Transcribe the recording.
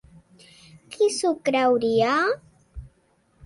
Qui s'ho creuria?